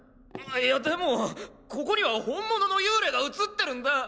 いやでもここには本物の幽霊が映ってるんだ！